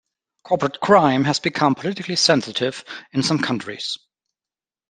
Corporate crime has become politically sensitive in some countries.